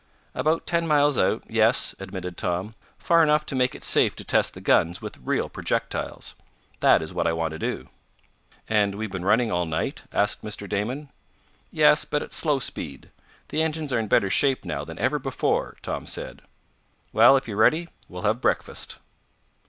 "About ten miles out, yes," admitted Tom. "Far enough to make it safe to test the guns with real projectiles. That is what I want to do." "And we've been running all night?" asked Mr. Damon. "Yes, but at slow speed. The engines are in better shape now than ever before," Tom said. "Well, if you're ready we'll have breakfast."